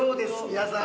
皆さん。